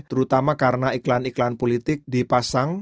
terutama karena iklan iklan politik dipasang